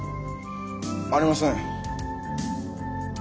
ありません。